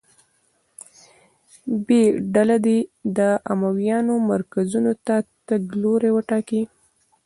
ب ډله دې د امویانو مرکزونو ته تګ لوری وټاکي.